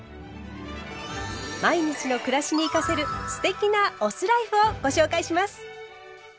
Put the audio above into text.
毎日の暮らしに生かせる“酢テキ”なお酢ライフをご紹介します。